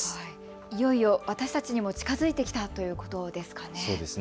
いよいよ私たちにも近づいてきたということですかね。